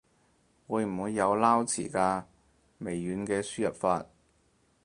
會唔會有撈詞㗎？微軟嘅輸入法